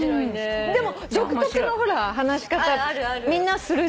でも独特のほら話し方みんなするじゃない。